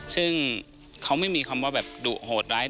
ซึ่งเขาไม่มีคำว่าแบบดุโหดร้าย